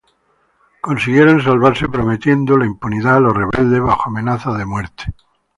Consiguieron salvarse prometiendo la impunidad a los rebeldes, bajo amenaza de muerte.